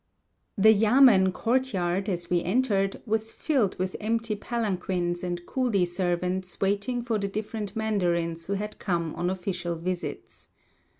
The yamen courtyard, as we entered, was filled with empty palanquins and coolie servants waiting for the different mandarins who had come on official visits.